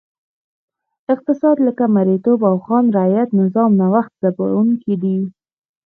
اقتصاد لکه مریتوب او خان رعیت نظام نوښت ځپونکی دی.